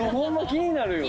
気になるよ。